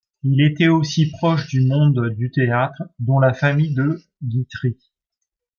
Il était aussi proche du monde du théâtre, dont la famille de Guitry.